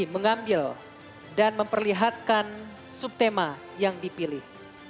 mengambil dan memperlihatkan subtema yang dipilih